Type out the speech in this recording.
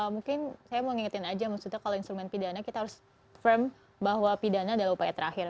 mungkin saya mau ngingetin aja maksudnya kalau instrumen pidana kita harus firm bahwa pidana adalah upaya terakhir